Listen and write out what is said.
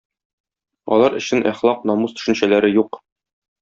Алар өчен әхлак, намус төшенчәләре юк.